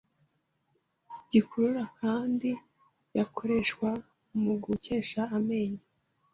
Gikukuru kandi yakoreshwa mu gukesha amenyo